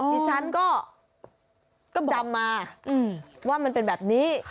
ดิฉันก็จำมาว่ามันเป็นแบบนี้